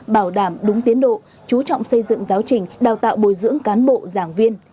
bảo đảm đúng tiến độ chú trọng xây dựng giáo trình đào tạo bồi dưỡng cán bộ giảng viên